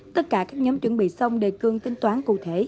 tất cả các nhóm chuẩn bị xong đề cương tính toán cụ thể